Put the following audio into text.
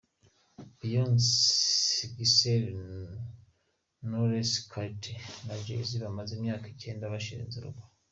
Beyoncé Giselle Knowles-Carter na Jay Z bamaze imyaka icyenda bashinze urugo.